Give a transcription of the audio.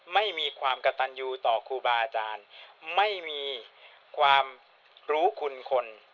ไม่มีความกระตันยูต่อครูบาอาจารย์ไม่มีความรู้คุณคน